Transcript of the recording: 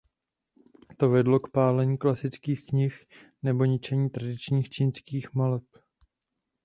To vedlo k pálení klasických knih nebo ničení tradičních čínských maleb.